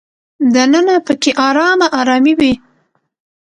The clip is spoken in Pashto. دننه په کې ارامه ارامي وي.